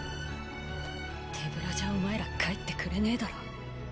手ぶらじゃお前ら帰ってくれねぇだろ。